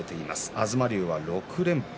東龍は６連敗。